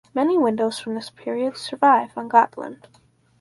Many windows from this period survive on Gotland.